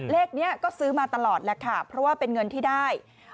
เลขนี้ก็ซื้อมาตลอดแล้วค่ะเพราะว่าเป็นเงินที่ได้